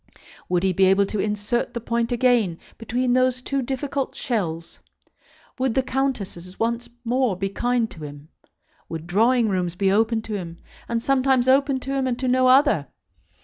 Would he be able to insert the point again between those two difficult shells? Would the Countesses once more be kind to him? Would drawing rooms be opened to him, and sometimes opened to him and to no other?